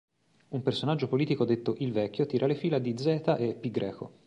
Un personaggio politico detto il Vecchio tira le fila di Zeta e Pi greco.